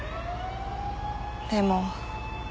でも。